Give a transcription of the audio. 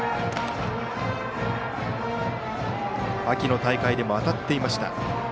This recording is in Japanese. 秋の大会でも当たっていました。